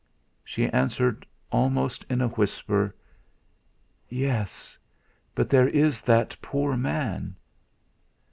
She answered almost in a whisper: "Yes; but there is that poor man."